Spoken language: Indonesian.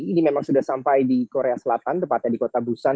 ini memang sudah sampai di korea selatan tepatnya di kota busan